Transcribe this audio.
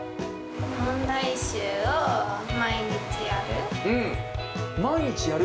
問題集を毎日やる。